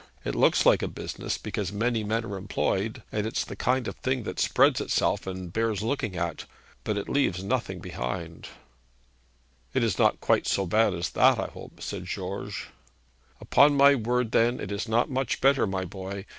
It looks like a business, because many men are employed, and it's a kind of thing that spreads itself, and bears looking at. But it leaves nothing behind.' 'It's not quite so bad as that, I hope,' said George. 'Upon my word then it is not much better, my boy.